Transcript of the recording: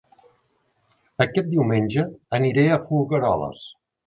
Aquest diumenge aniré a Folgueroles